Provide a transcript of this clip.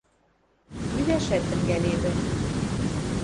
Ӱдӓшӓт тӹнгӓлевӹ.